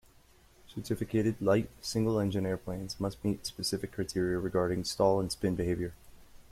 Certificated, light, single-engine airplanes must meet specific criteria regarding stall and spin behavior.